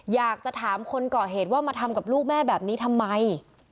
อยากจะถามคนก่อเหตุว่ามาทำกับลูกแม่แบบนี้ทำไม